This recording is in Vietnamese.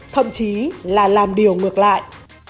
thậm chí là làm điều ngược lại